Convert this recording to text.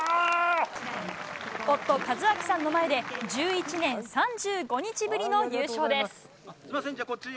夫・和晃さんの前で１１年３５日ぶりの優勝です。